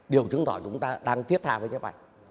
điều chứng tỏ chúng ta đang thiết tha với chế bảy